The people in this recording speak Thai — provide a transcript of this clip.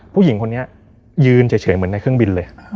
ผู้หญิงคนนี้ยืนเฉยเหมือนในเครื่องบินเลย